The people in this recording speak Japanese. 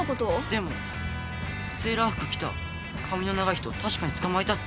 でもセーラー服着た髪の長い人確かに捕まえたって。